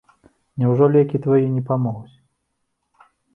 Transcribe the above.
Няўжо лекі твае не памогуць?